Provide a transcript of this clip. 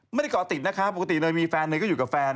ไม่ได้เกาะติดนะคะปกติเลยมีแฟนเลยก็อยู่กับแฟน